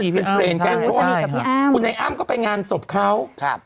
เป็นเฟรนด์กันเอาสมมุติกับพี่อ้ามคุณนายอ้ามก็ไปงานสมเขาครับ